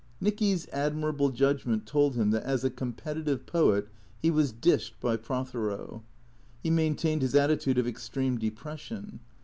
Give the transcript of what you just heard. Nicky's admirable judgment told him that as a competitive poet he was dished by Prothero. He maintained his attitude of extreme depression.